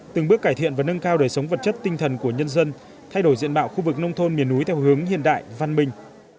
từng bước cải thiện và nâng cao đời sống vật chất tinh thần của nhân dân thay đổi diện bạo khu vực nông thôn miền núi theo hướng hiện đại văn minh